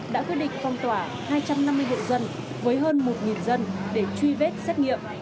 đã quyết định phong tỏa hai trăm năm mươi hộ dân với hơn một dân để truy vết xét nghiệm